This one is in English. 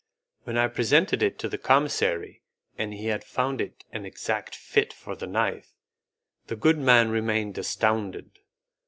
When I presented it to the commissary, and he had found it an exact fit for the knife, the good man remained astounded.